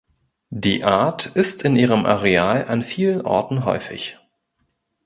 Die Art ist in ihrem Areal an vielen Orten häufig.